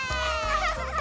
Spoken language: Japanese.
アハハハ！